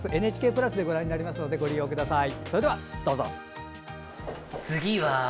「ＮＨＫプラス」でご覧になれますのでご利用ください。